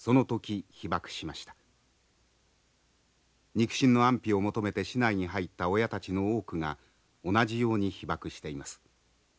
肉親の安否を求めて市内に入った親たちの多くが同じように被爆しています。